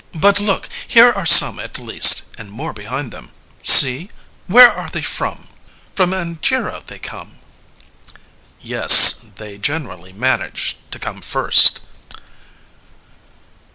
But look, here are some at last, and more behind them. See ... where are they from? CALONICE From Anagyra they come. LYSISTRATA Yes, they generally manage to come first.